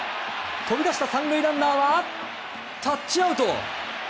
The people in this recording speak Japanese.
飛び出した３塁ランナーはタッチアウト！